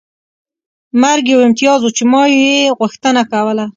مرګ یو امتیاز و چې ما یې غوښتنه کوله